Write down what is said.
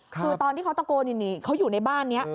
คือตอนที่เขาตะโกนเขาอยู่ในบ้านนี้